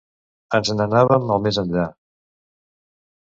Ens n'anàvem al més enllà.